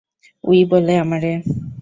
We, বলে আমারে!